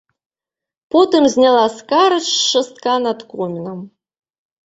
Потым зняла скарач з шастка над комінам.